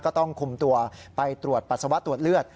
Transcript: ก็ต้องคุมตัวไปตรวจปัสสาวะตรวจเลือด